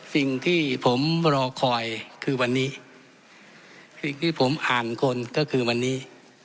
สิ่งที่ผมรอคอยคือวันนี้สิ่งที่ผมอ่านคนก็คือวันนี้